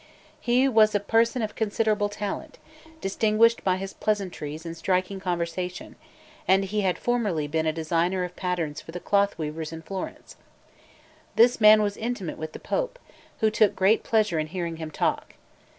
He was a person of considerable talent, distinguished by his pleasantries and striking conversation, and he had formerly been a designer of patterns for the cloth weavers in Florence. This man was intimate with the Pope, who took great pleasure in hearing him talk.